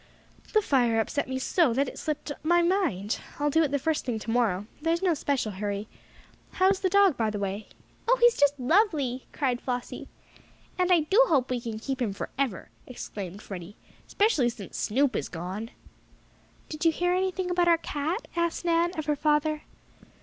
"The fire upset me so that it slipped my mind. I'll do it the first thing tomorrow. There is no special hurry. How is the dog, by the way?" "Oh, he's just lovely!" cried Flossie. "And I do hope we can keep him forever!" exclaimed Freddie. "'Specially since Snoop is gone." "Did you hear anything about our cat?" asked Nan, of her father.